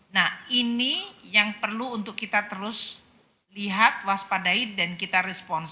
nah ini yang perlu untuk kita terus lihat waspadai dan kita respons